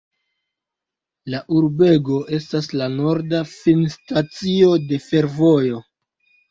La urbego estas la norda finstacio de fervojo.